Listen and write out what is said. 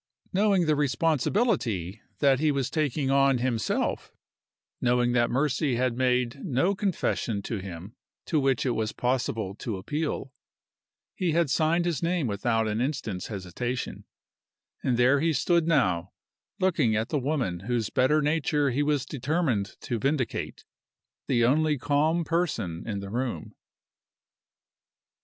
Knowing the responsibility that he was taking on himself knowing that Mercy had made no confession to him to which it was possible to appeal he had signed his name without an instant's hesitation: and there he stood now, looking at the woman whose better nature he was determined to vindicate, the only calm person in the room.